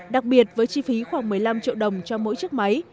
đặc biệt với chi phí khoảng một mươi năm triệu đồng cho mỗi chiếc máy